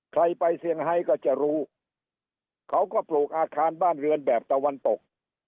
ใครไปเซียงไฮก็จะรู้เขาก็ปลูกอาคารบ้านเรือนแบบตะวันตก